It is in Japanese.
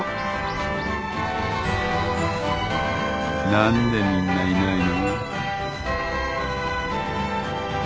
何でみんないないの？